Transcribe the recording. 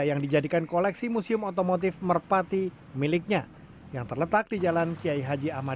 yang dijadikan koleksi museum otomotif merpati miliknya yang terletak di jalan kiai haji ahmad